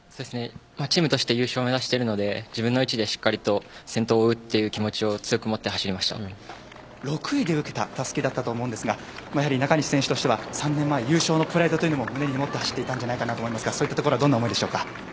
チームとして優勝を目指しているので自分の位置でしっかりと先頭を追うという６位で受けたたすきだったと思いますが中西選手としては３年前優勝のプライドというのも胸に持っていたと思うんですがそういったところはどんな思いでしょうか？